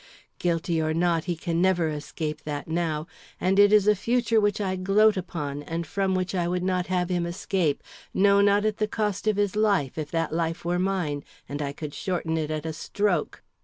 Guilty or not he can never escape that now; and it is a future which I gloat upon and from which I would not have him escape, no, not at the cost of his life, if that life were mine, and I could shorten it at a stroke.